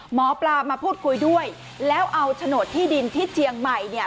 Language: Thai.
หมอปลามาพูดคุยด้วยแล้วเอาโฉนดที่ดินที่เชียงใหม่เนี่ย